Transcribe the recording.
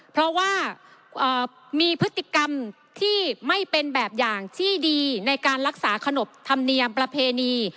เพราะว่ามีพฤติกรรมที่ไม่เป็นแบบอย่างที่ดีในการรักษาขนบธรรมเนียมประเพณี